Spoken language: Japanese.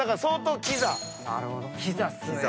キザっすね。